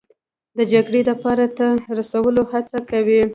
د جګړې د پای ته رسولو هڅه کوي